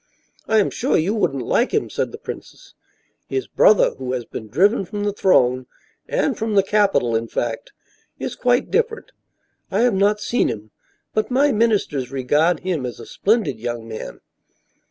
"I am sure you wouldn't like him," said the princess. "His brother, who has been driven from the throne and from the capital, in fact is quite different. I have not seen him, but my ministers regard him as a splendid young man."